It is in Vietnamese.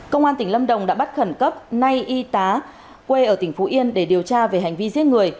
công an tỉnh lâm đồng đã bắt khẩn cấp nay y tá quê ở tỉnh phú yên để điều tra về hành vi giết người